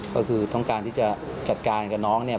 ก็คือต้องการที่จะจัดการกับน้องเนี่ย